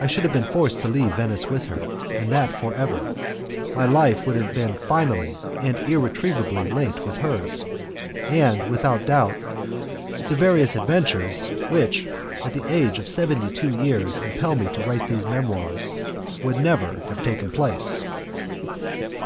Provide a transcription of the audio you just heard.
I should have been forced to leave Venice with her, and that for ever. My life would have been finally and irretrievably linked with hers, and, without doubt, the various adventures which at the age of seventy two years impel me to write these Memoirs, would never have taken place.